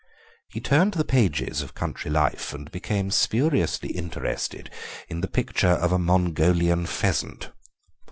He turned the pages of Country Life and became spuriously interested in the picture of a Mongolian pheasant.